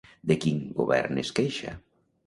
De quin govern es queixa?